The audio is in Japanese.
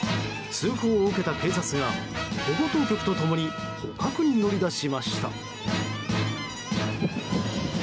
通報を受けた警察が保護当局と共に捕獲に乗り出しました。